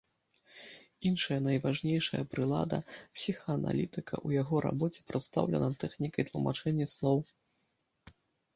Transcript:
Іншая найважнейшая прылада псіхааналітыка ў яго рабоце прадстаўлена тэхнікай тлумачэння сноў.